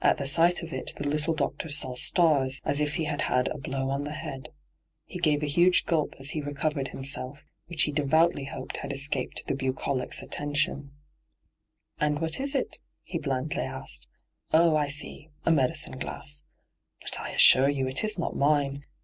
At the sight of it the little doctor saw stars, as if he had had a blow on ihe head. He gave a huge gulp as he recovered himself, which he devoutly hoped had escaped the bucolic's attention. 4—2 nyt,, 6^hyG00glc 52 ENTRAPPED * And what is it V he blandly asked. ' Oh, I see— a medicine glass. But I assure you it is not mine.